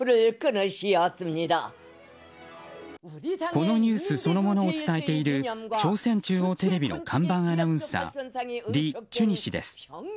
このニュースそのものを伝えている、朝鮮中央テレビの看板アナウンサーリ・チュニ氏です。